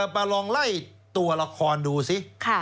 มาลองไล่ตัวละครดูสิ